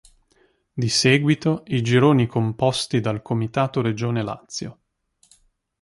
Di seguito i gironi composti dal Comitato Regionale Lazio.